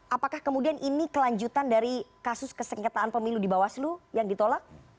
apakah kemudian ini kelanjutan dari kasus kesengketaan pemilu di bawaslu yang ditolak